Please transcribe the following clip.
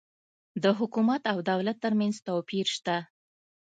د حکومت او دولت ترمنځ توپیر سته